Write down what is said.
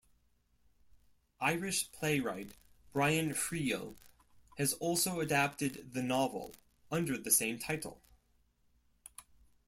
Irish playwright Brian Friel has also adapted the novel, under the same title.